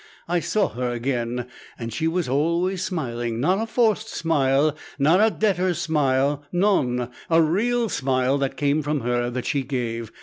I saw her again, and she was always smiling. Not a forced smile, not a debtor's smile, non, a real smile that came from her, that she gave.